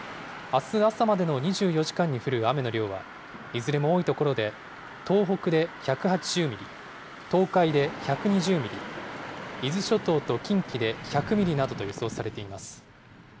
あす朝までの２４時間に降る雨の量は、いずれも多い所で、東北で１８０ミリ、東海で１２０ミリ、伊豆諸島と近畿で１００ミリなどと予想されています。